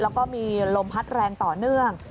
แล้วก็มีลมพัดแรงต่อเนื่อง